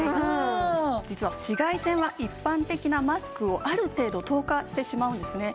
実は紫外線は一般的なマスクをある程度透過してしまうんですね。